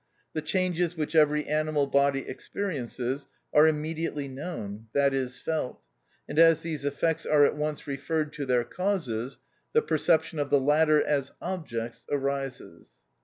The changes which every animal body experiences, are immediately known, that is, felt; and as these effects are at once referred to their causes, the perception of the latter as objects arises.